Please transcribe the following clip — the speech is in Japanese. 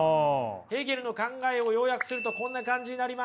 ヘーゲルの考えを要約するとこんな感じになります。